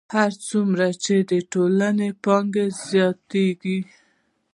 هر څومره چې د ټولنې پانګه زیاتېږي